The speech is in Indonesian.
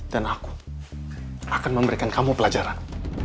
dan aku akan memberikan kamu pelajaran